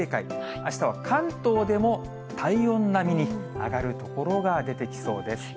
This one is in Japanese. あしたは関東でも体温並みに上がる所が出てきそうです。